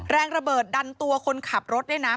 แรงระเบิดดันตัวคนขับรถด้วยนะ